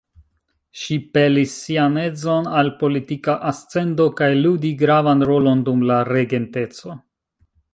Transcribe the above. Ŝi pelis sian edzon al politika ascendo kaj ludi gravan rolon dum la Regenteco.